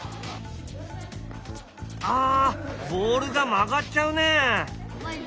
ああボールが曲がっちゃうね。